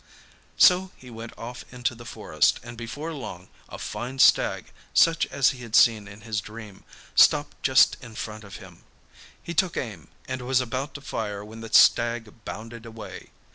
So he went off into the forest, and before long a fine stag, such as he had seen in his dream, stopped just in front of him. He took aim, and was about to fire when the stag bounded away.